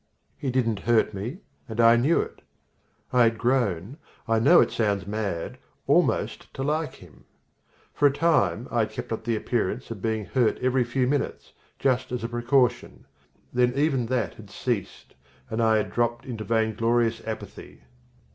He didn't hurt me, and I knew it. I had grown I know it sounds mad almost to like him. For a time I had kept up the appearance of being hurt every few minutes, just as a precaution. Then even that had ceased and I had dropped into vainglorious apathy.